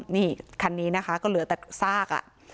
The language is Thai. นี่คันนี้นะคะก็เหลือแต่ซาก